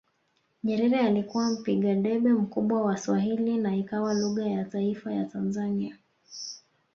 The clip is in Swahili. Nyerere alikuwa mpiga debe mkubwa wa Swahili na ikawa lugha ya taifa ya Tanzania